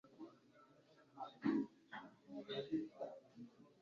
Tugaragaza ibitekerezo byacu dukoresheje indimi. (al_ex_an_der)